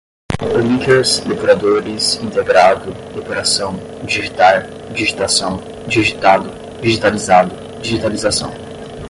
linkers, depuradores, integrado, depuração, digitar, digitação, digitado, digitalizado, digitalização